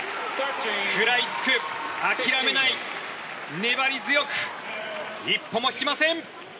食らいつく、諦めない粘り強く一歩も引きません。